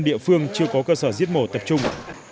năm địa phương chưa có cơ sở giết mổ tập trung